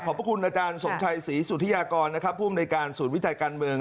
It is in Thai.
ขอบคุณอาจารย์สมชัยศรีสุธิยากรผู้อำนวยการสูตรวิจัยการเมือง